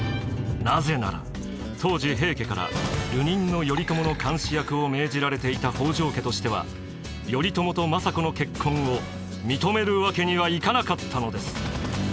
なぜなら当時平家から流人の頼朝の監視役を命じられていた北条家としては頼朝と政子の結婚を認めるわけにはいかなかったのです。